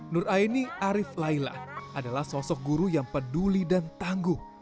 nur aini arief laila adalah sosok guru yang peduli dan tangguh